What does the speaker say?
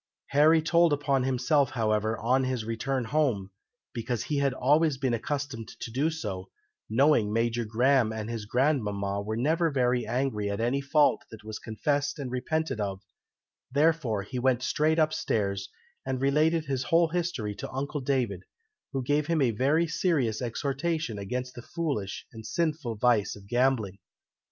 Harry told upon himself, however, on his return home, because he had always been accustomed to do so, knowing Major Graham and his grandmama were never very angry at any fault that was confessed and repented of, therefore he went straight up stairs, and related his whole history to uncle David, who gave him a very serious exhortation against the foolish and sinful vice of gambling.